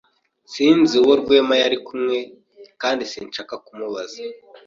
S Sinzi uwo Rwema yari kumwe kandi sinshaka kumubaza.